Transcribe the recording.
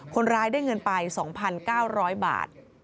คนร้ายได้เงินไป๒๙๐๐บาท